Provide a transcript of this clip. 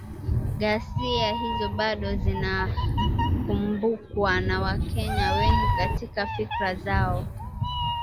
Ghasia hizo bado zinakumbukwa na Wakenya wengi katika fikra zao